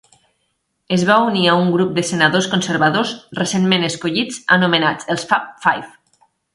Es va unir a un grup de senadors conservadors recentment escollits anomenats els "Fab Five".